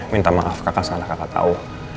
minta maaf kakak salah kakak tau